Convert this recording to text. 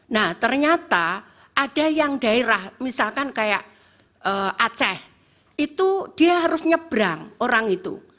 nah ternyata ada yang daerah misalkan kayak aceh itu dia harus nyebrang orang itu